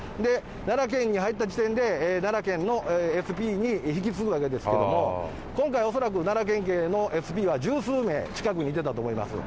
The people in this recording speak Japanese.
奈良県に入った時点で、奈良県のＳＰに引き継ぐわけですけれども、今回、恐らく奈良県警のＳＰは十数名、近くにいてたと思います。